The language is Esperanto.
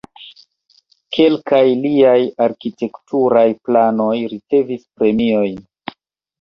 Kelkaj liaj arkitekturaj planoj ricevis premiojn.